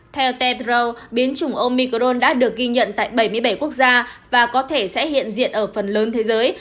theo tedrow biến chủng omicron đã được ghi nhận tại bảy mươi bảy quốc gia và có thể sẽ hiện diện ở phần lớn thế giới